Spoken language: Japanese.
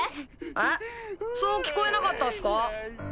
えっそう聞こえなかったっすか？